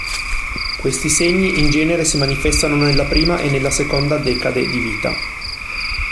Questi segni in genere si manifestano nella prima o nella seconda decade di vita.